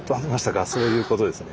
そういうことですね。